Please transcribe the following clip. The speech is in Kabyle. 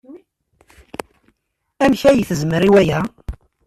Amek ay tezmer i waya?